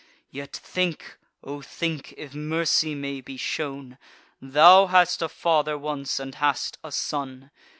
Yet think, O think, if mercy may be shown, Thou hadst a father once, and hast a son.